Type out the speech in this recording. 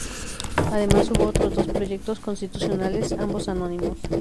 Además hubo otros dos proyectos constitucionales, ambos anónimos.